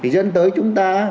đến tới chúng ta